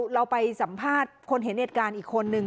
เราไปสัมภาษณ์คนเห็นเหตุการณ์อีกคนนึง